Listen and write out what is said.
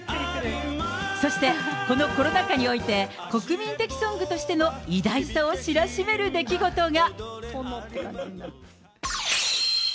そして、このコロナ禍において、国民的ソングとしての偉大さを知らしめる出来事が。